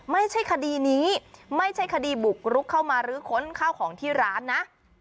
ไม่ใช่คดีนี้ไม่ใช่คดีบุกรุกเข้ามารื้อค้นข้าวของที่ร้านนะ